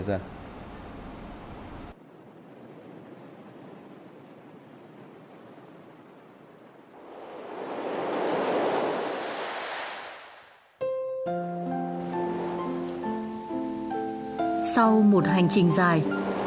sau một hành trình dài